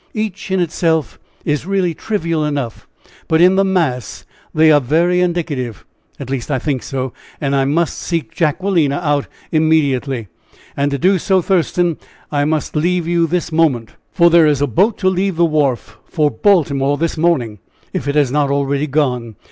Each in itself is really trivial enough, but in the mass they are very indicative. At least, I think so, and I must seek Jacquelina out immediately. And to do so, Thurston, I must leave you this moment, for there is a boat to leave the wharf for Baltimore this morning if it has not already gone.